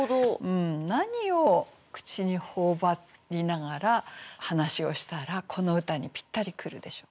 何をくちにほおばりながら話をしたらこの歌にぴったり来るでしょう。